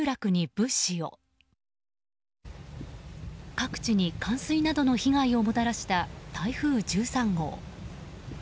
各地に冠水などの被害をもたらした台風１３号。